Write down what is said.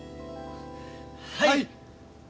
はい！